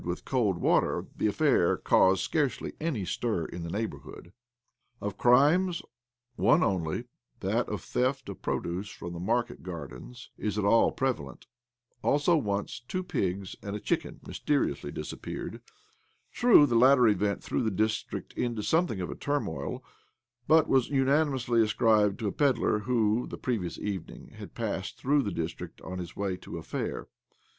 with' OBLOMOV 85 cold water, the affair caused scarcely any stir in the neighbourhood. Of crimesj one only — that of theft of produce from market gardens — is at all prevalent. Also, once two pigs and a chicken mysteriously idisappeared. True, the latter event threw the district into something of a turmoil, but was unanimously ascribed to a pedlar who, the previous evening, had passed through the «district on his way to a fair.